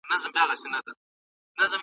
مينه په تلو راتلو زياتيږي